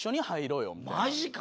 マジか。